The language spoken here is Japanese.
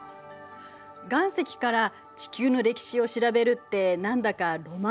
岩石から地球の歴史を調べるって何だかロマンチックで面白いですね。